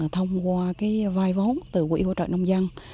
thông qua vai vốn từ quỹ hỗ trợ nông dân